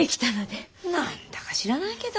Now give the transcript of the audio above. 何だか知らないけど。